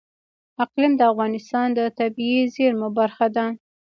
اقلیم د افغانستان د طبیعي زیرمو برخه ده.